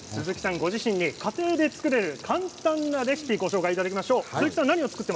ご自身に家庭で作れる簡単レシピをご紹介いただきます。